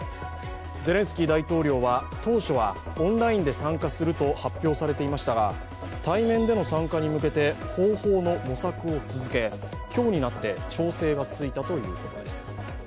ゼレンスキー大統領は当初はオンラインで参加すると発表されていましたが対面での参加に向けて方法の模索を続け、今日になって調整がついたということです。